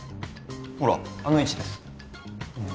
ほらあの位置ですああ